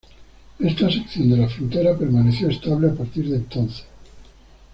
Esta sección de la frontera permaneció estable a partir de entonces.